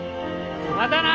またな！